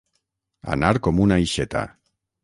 Anar com una aixeta.